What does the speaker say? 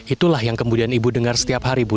itulah yang kemudian ibu dengar setiap hari ibu